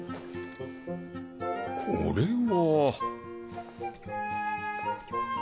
これは。